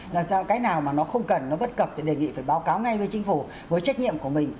làm sao cái nào mà nó không cần nó bất cập thì đề nghị phải báo cáo ngay với chính phủ với trách nhiệm của mình